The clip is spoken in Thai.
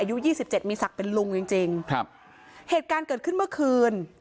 อายุยี่สิบเจ็ดมีศักดิ์เป็นลุงจริงจริงครับเหตุการณ์เกิดขึ้นเมื่อคืน